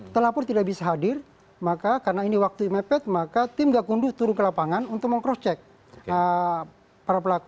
telapor tidak bisa hadir maka karena ini waktu mepet maka tim gakunduh turun ke lapangan untuk meng cross check para pelaku